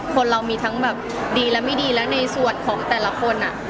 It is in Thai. คนเรามีทั้งแบบดีและไม่ดีแล้วในส่วนของแต่ละคน